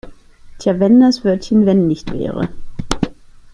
Tja, wenn das Wörtchen wenn nicht wäre!